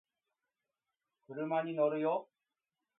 車に乗るよ